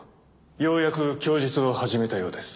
ようやく供述を始めたようです。